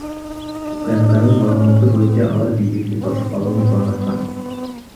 УКМКнын маалыматы боюнча, алар бийликти басып алууну пландашкан.